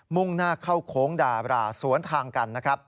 มุ่งหน้าเข้าโค้งดาบราสวนทางกัน